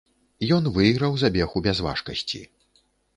Ён выйграў забег у бязважкасці.